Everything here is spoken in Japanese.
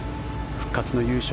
復活の優勝